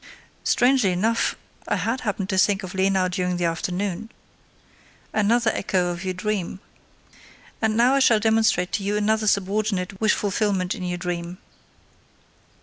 "Strangely enough, I had happened to think of Lenau during the afternoon." "Another echo of your dream. And now I shall demonstrate to you another subordinate wish fulfillment in your dream.